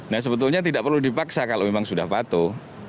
nah sebetulnya tidak perlu dipaksa kalau memang sudah patuh